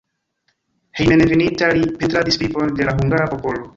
Hejmenveninta li pentradis vivon de la hungara popolo.